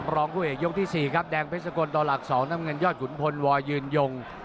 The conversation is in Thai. รองผู้เอกยกที่๔ครับแดงเพชรสกลต่อหลัก๒น้ำเงินยอดขุนพลวอยืนยง